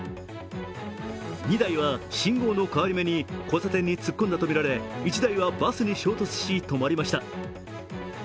２台は信号の変わり目に交差点に突っ込んだとみられ１台はバスに衝突し、止まりました。